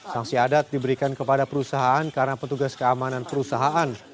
sanksi adat diberikan kepada perusahaan karena petugas keamanan perusahaan